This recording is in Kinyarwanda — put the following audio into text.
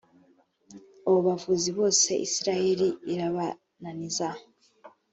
abo bavuzi bosa isirayeli irabananiza